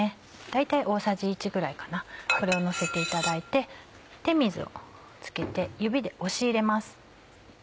大体大さじ１ぐらいかなこれをのせていただいて手水を付けて指で押し入れます。